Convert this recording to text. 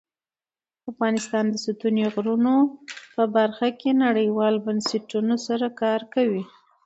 افغانستان د ستوني غرونه په برخه کې نړیوالو بنسټونو سره کار کوي.